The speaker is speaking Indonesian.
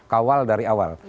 kawal dari awal